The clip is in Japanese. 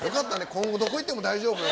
今後どこ行っても大丈夫よ。